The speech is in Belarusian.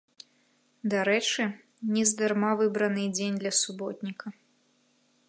Дарэчы, нездарма выбраны і дзень для суботніка.